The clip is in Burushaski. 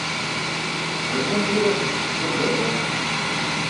Ẓakun i̇iras urkar gar.